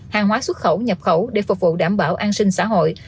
hàng hóa xuất khẩu nhập khẩu để phục vụ đảm bảo an sinh xã hội